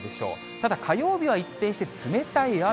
ただ火曜日は一転して冷たい雨。